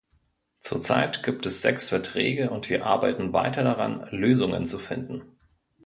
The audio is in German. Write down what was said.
Zur Zeit gibt es sechs Verträge, und wir arbeiten weiter daran, Lösungen zu finden.